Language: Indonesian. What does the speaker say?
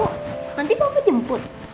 nanti papa jemput